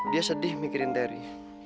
dia sedih mikirin teri